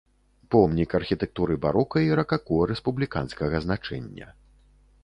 Помнік архітэктуры барока і ракако рэспубліканскага значэння.